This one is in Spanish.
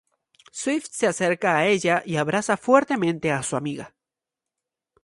Swift se acerca a ella y abraza fuertemente a su amiga.